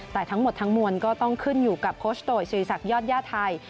แต่ทั้งหมดทั้งมวลก็ต้องขึ้นอยู่กับโคชโตยศิริษักยอดย่าไทย